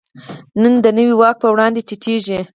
نن د نوي واک په وړاندې ټیټېږي.